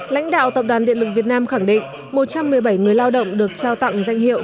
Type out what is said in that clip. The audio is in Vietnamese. lãnh đạo tập đoàn điện lực việt nam khẳng định một trăm một mươi bảy người lao động được trao tặng danh hiệu